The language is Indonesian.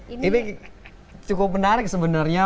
ini cukup menarik sebenarnya